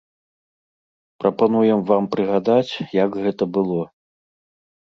Прапануем вам прыгадаць, як гэта было.